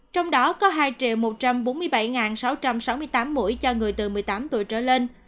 trong đó có hai một trăm bốn mươi bảy sáu trăm sáu mươi tám mũi cho người từ một mươi tám tuổi trở lên